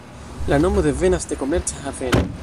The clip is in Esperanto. La nomo devenas de "komerca haveno.